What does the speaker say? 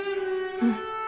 うん。